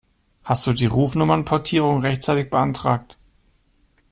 Hast du die Rufnummernportierung rechtzeitig beantragt?